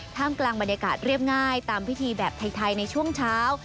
กลางบรรยากาศเรียบง่ายตามพิธีแบบไทยในช่วงเช้า